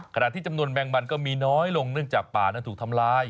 ขณะที่จำนวนแมงมันก็มีน้อยลงเนื่องจากป่านั้นถูกทำลาย